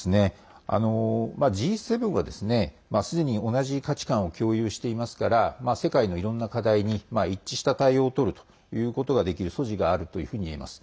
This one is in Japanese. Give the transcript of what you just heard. Ｇ７はすでに同じ価値観を共有していますから世界のいろんな課題に一致した対応をとるということができる素地があるというふうにいえます。